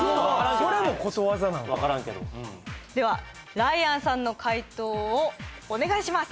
それもことわざなのか分からんけどではライアンさんの解答をお願いします